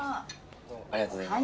ありがとうございます。